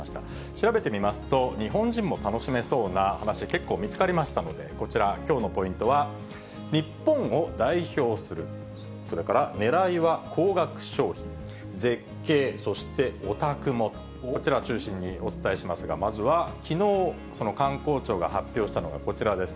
調べてみますと、日本人も楽しめそうな話、結構見つかりましたので、こちら、きょうのポイントは、日本を代表する、それから狙いは高額消費、絶景、そして、オタクもと。こちらを中心にお伝えしますが、まずはきのう、その観光庁が発表したのがこちらです。